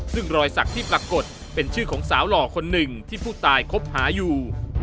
ซึ่งรอยสักที่ปรากฏเป็นชื่อของสาวหล่อคนหนึ่งที่ผู้ตายคบหาอยู่